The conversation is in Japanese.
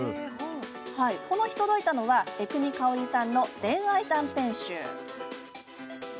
この日、届いたのは江國香織さんの恋愛短編集。